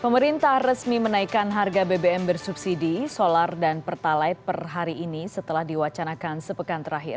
pemerintah resmi menaikkan harga bbm bersubsidi solar dan pertalite per hari ini setelah diwacanakan sepekan terakhir